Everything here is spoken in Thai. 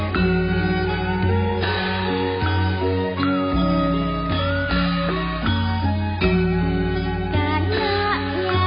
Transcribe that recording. ทรงเป็นน้ำของเรา